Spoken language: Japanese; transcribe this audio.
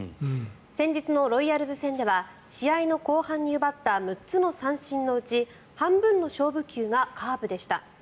先日のロイヤルズ戦では試合の後半に奪った６つの三振のうち半分の勝負球がカーブでした。